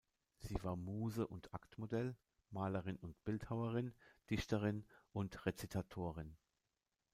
Sie war Muse und Aktmodell, Malerin und Bildhauerin, Dichterin und Rezitatorin.